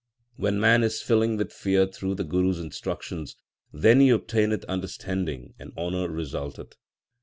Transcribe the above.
When man is filled with fear through the Guru s instruc tions, then he obtaineth understanding, and honour re sulteth.